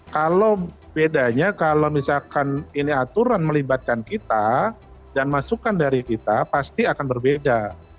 kalau bedanya kalau misalkan ini aturan melibatkan kita dan masukan dari kita pasti akan berbeda